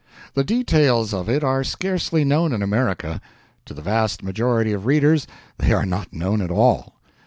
The details of it are scarcely known in America. To the vast majority of readers they are not known at all.